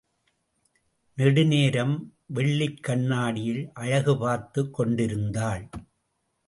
நெடுநேரம் வெள்ளிக் கண்ணாடியில் அழகு பார்த்துக் கொண்டிருந்தாள்.